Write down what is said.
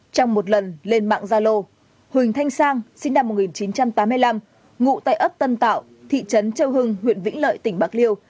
trong một lần lên mạng gia lô huỳnh thanh sang sinh năm một nghìn chín trăm tám mươi năm ngụ tại ấp tân tạo thị trấn châu hưng huyện vĩnh lợi tỉnh bạc liêu